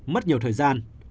mất nhiều thời gian